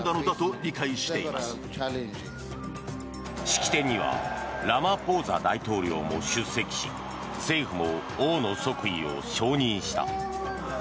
式典にはラマポーザ大統領も出席し政府も王の即位を承認した。